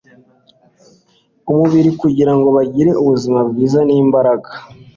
umubiri kugira ngo bagire ubuzima bwiza nimbaraga